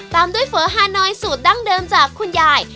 ตามด้วยเฝอฮานอยสูตรดั้งเดิมจากคุณยาย